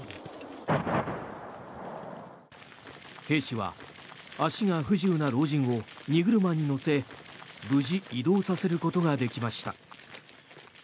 兵士は足が不自由な老人を荷車に乗せ無事、移動させることができました。